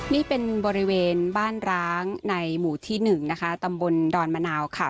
นี่เป็นบริเวณบ้านร้างในหมู่ที่๑นะคะตำบลดอนมะนาวค่ะ